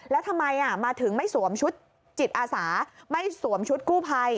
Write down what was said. แล้วทำไมมาถึงไม่สวมชุดจิตอาสาไม่สวมชุดกู้ภัย